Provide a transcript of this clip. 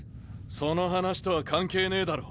その話とは関係ねえだろ。